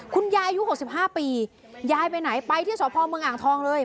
คุณยายอายุหกสิบห้าปียายไปไหนไปที่สวพอร์เมืองอ่างทองเลย